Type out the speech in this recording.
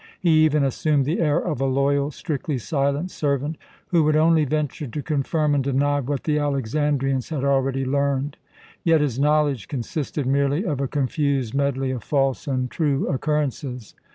He even assumed the air of a loyal, strictly silent servant, who would only venture to confirm and deny what the Alexandrians had already learned. Yet his knowledge consisted merely of a confused medley of false and true occurrences.